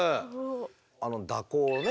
あの蛇行ね